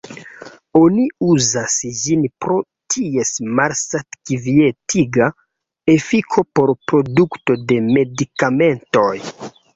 Oni uzas ĝin pro ties malsat-kvietiga efiko por produkto de medikamentoj.